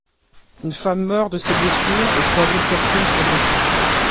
Une femme meurt de ses blessures et trois autres personnes sont blessées.